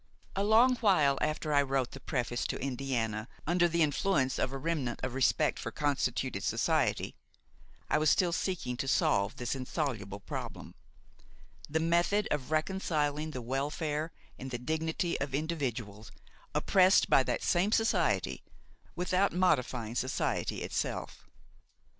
A long while after I wrote the preface to Indiana under the influence of a remnant of respect for constituted society, I was still seeking to solve this insoluble problem: the method of reconciling the welfare and the dignity of individuals oppressed by that same society without modifying society itself.